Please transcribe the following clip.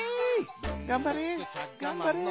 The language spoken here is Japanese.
「がんばれ！」。